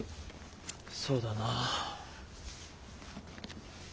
そうだな。